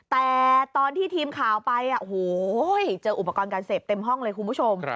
แต่ตอนที่ทีมข่าวไปโอ้โหเจออุปกรณ์การเสพเต็มห้องเลยคุณผู้ชม